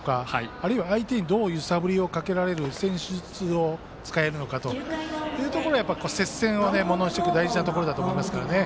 あるいは、相手にどう揺さぶりをかけられる戦術を使えるのかというところが接戦をものにしていく大事なところだと思いますからね。